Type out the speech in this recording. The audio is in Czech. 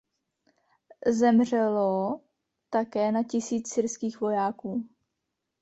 Zemřelo také na tisíc syrských vojáků.